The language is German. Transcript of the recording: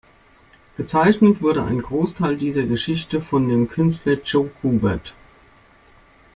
Gezeichnet wurde ein Großteil dieser Geschichten von dem Künstler Joe Kubert.